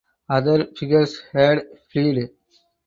Other figures had fled.